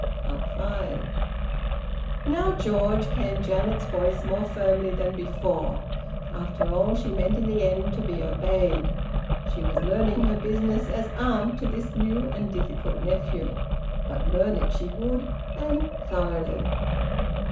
FIVE. "Now, George!" came Janet's voice, more firmly than before. After all, she meant in the end to be obeyed. She was learning her business as aunt to this new and difficult nephew; but learn it she would, and thoroughly!